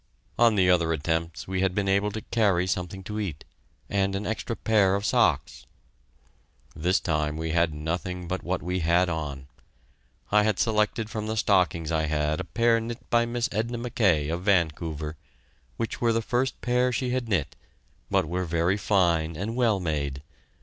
On the other attempts we had been able to carry something to eat, and an extra pair of socks. This time we had nothing but what we had on. I had selected from the stockings I had a pair knit by Miss Edna McKay, of Vancouver, which were the first pair she had knit, but were very fine and well made.